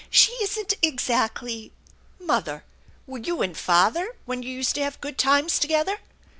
She isn't exactly " "Mother, were you and father, when you used to have good times together?